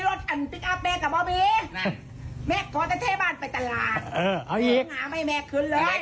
ลูกแชนซ์ต้องไปเย็นต้องไปผูกนอนไอ้แม่เอ๊ะ